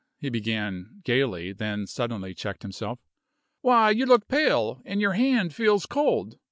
he began, gayly, then suddenly checked himself. "Why, you look pale, and your hand feels cold.